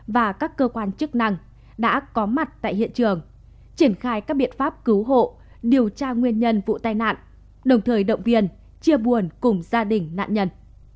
và các cơ quan chức năng đã có mặt tại hiện trường triển khai các biện pháp cứu hộ điều tra nguyên nhân vụ tai nạn đồng thời động viên chia buồn cùng gia đình nạn nhân